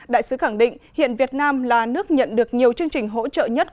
đại sứ khẳng định hiện việt nam là nước nhận được nhiều chương trình hỗ trợ nhất